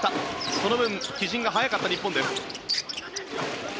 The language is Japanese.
その分帰陣が速かった日本です。